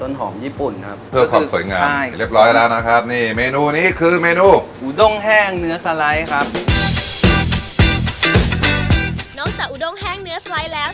นอกจากอุดงแห้งเนื้อสไลด์แล้ว